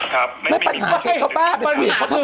ไม่ปัญหาใครเขาบ้าไปคุยกับเขาทำไม